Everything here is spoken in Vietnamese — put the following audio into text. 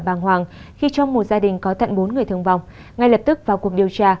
bàng hoàng khi trong một gia đình có tận bốn người thương vong ngay lập tức vào cuộc điều tra